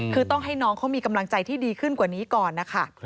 คือต้องให้น้องเขามีกำลังใจที่ดีขึ้นกว่านี้ก่อนนะคะ